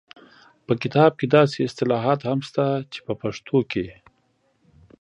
په کتاب کې داسې اصطلاحات هم شته چې په پښتو کې